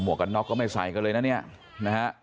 อ้อหมวกกับน็อกก็ไม่ใส่กันเลยนะเนี่ยนะฮะ